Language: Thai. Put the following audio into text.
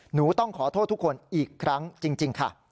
หนูต้องขอโทษทุกคนอีกครั้งจริงค่ะ